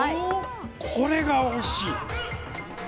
これがおいしい。